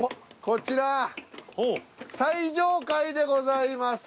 こちら最上階でございます。